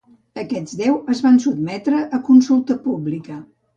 Aquests deu es van sotmetre a consulta pública.